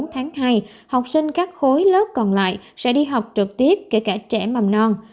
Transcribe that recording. học sinh các khối lớp còn lại sẽ đi học trực tiếp kể cả trẻ mầm non